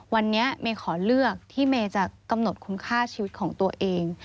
วันนี้เมย์ขอเลือกที่เมย์จะกำหนดคุณค่าชีวิตของตัวเอง